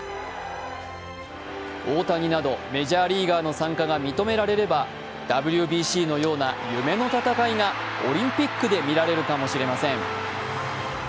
大谷などメジャーリーガーの参加が認められればＷＢＣのような夢の戦いがオリンピックで見られるかもしれません。